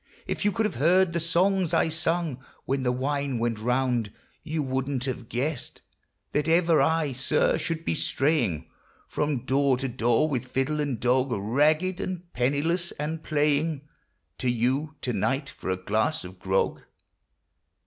If you could have heard the songs I sung When the wine went round, you wouldn't have guessed That ever I, sir, should be straying From door to door, with fiddle and dog, Ragged and penniless, and playing To you to night for a glass of grog